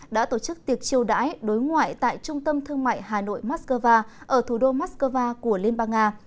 đã tổ chức tiệc chiêu đãi đối ngoại tại trung tâm thương mại hà nội moscow ở thủ đô moscow của liên bang nga